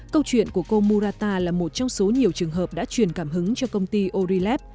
câu chuyện của cô murata là một trong số nhiều trường hợp đã truyền cảm hứng cho công ty orif